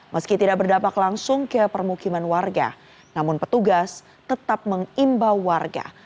meski tidak berdampak langsung ke permukiman warga namun petugas tetap mengimbau warga